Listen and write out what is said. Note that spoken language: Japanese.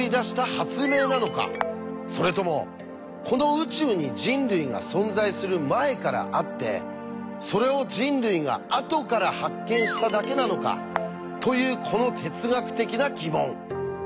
それともこの宇宙に人類が存在する前からあってそれを人類があとから発見しただけなのかというこの哲学的な疑問。